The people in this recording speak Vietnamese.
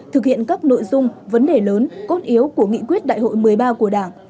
thực hiện các nội dung vấn đề lớn cốt yếu của nghị quyết đại hội một mươi ba của đảng